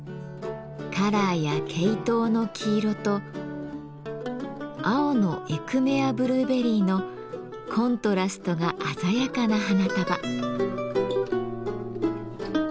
カラーやケイトウの黄色と青のエクメアブルーベリーのコントラストが鮮やかな花束。